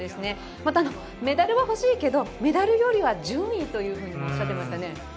またメダルは欲しいけどメダルよりは順位っておっしゃっていましたね。